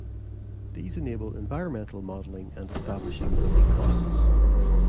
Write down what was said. These enable environmental modelling and establishing building costs.